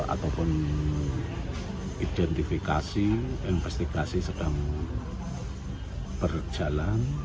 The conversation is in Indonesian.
ataupun identifikasi investigasi sedang berjalan